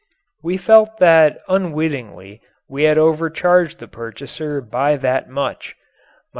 We felt that unwittingly we had overcharged the purchaser by that much.